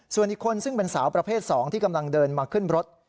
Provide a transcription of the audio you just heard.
ส่วนอีกคนซึ่งเป็นสาวประเภท๒ที่กำลังเดินมาขึ้นรถ